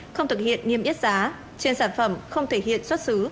không thực hiện niêm yết giá trên sản phẩm không thể hiện xuất xứ